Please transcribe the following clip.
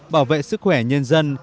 bảo vệ sức khỏe nhân dân